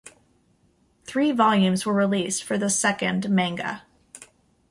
Three volumes were released for the second manga.